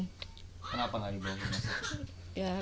kenapa gak dibawa ke rumah sakit